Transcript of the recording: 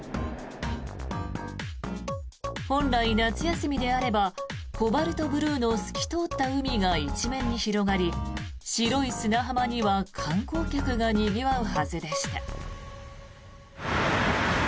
本来、夏休みであればコバルトブルーの透き通った海が一面に広がり白い砂浜には観光客がにぎわうはずでした。